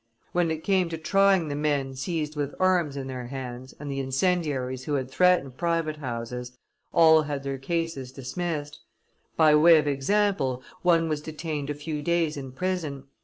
When it came to trying the men seized with arms in their hands and the incendiaries who had threatened private houses, all had their cases dismissed; by way of example, one was detained a few days in prison.